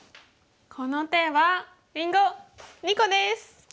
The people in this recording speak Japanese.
この手はりんご２個です！